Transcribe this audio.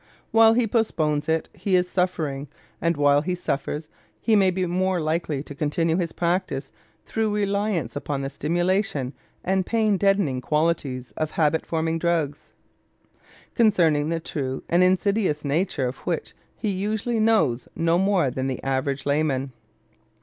While he postpones it he is suffering, and while he suffers he may be more than likely to continue his practice through reliance upon the stimulation and pain deadening qualities of habit forming drugs, concerning the true and insidious nature of which he usually knows no more than the average layman.